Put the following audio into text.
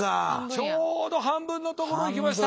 ちょうど半分のところいきました。